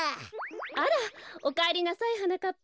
あらおかえりなさいはなかっぱ。